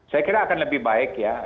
saya kira akan lebih baik ya